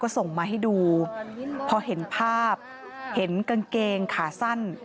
ส่งมาให้ดูพอเห็นภาพเห็นกางเกงขาสั้น